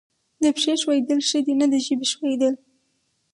د پښې ښویېدل ښه دي نه د ژبې ښویېدل.